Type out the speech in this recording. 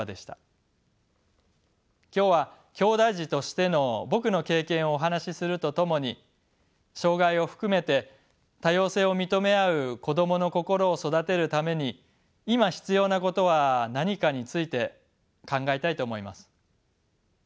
今日はきょうだい児としての僕の経験をお話しするとともに障がいを含めて多様性を認め合う子どもの心を育てるために今必要なことは何かについて考えたいと思います。